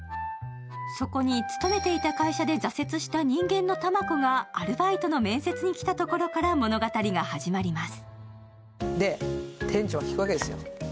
そこに勤めていた会社で挫折した人間の珠子がアルバイトの面接に来たところから物語が始まります。